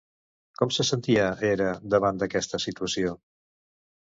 Com se sentia Hera davant aquesta situació?